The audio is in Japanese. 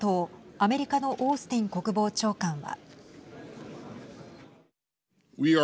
アメリカのオースティン国防長官は。